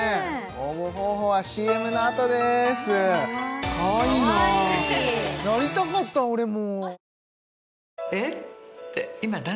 応募方法はＣＭのあとですかわいいなあやりたかった俺も！